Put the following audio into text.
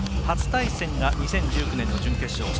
初対戦が２０１９年の準決勝。